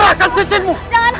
jangan ambil cincinku